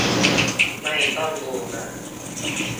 ไม่ต้องดูนะ